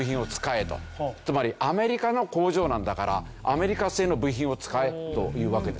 つまりアメリカの工場なんだからアメリカ製の部品を使えというわけですよ。